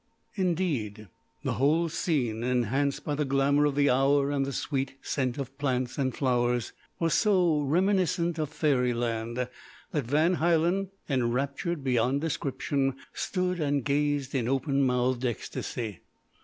Indeed, the whole scene, enhanced by the glamour of the hour and the sweet scent of plants and flowers, was so reminiscent of fairyland that Van Hielen enraptured beyond description stood and gazed in open mouthed ecstasy.